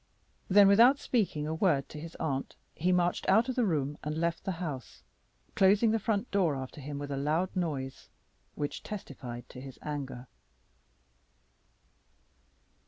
Then, without speaking a word to his aunt, he marched out of the room and left the house, closing the front door after him with a loud noise, which testified to his anger.